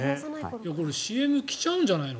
ＣＭ来ちゃうんじゃないの？